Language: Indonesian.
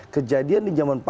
kejadian di zaman pak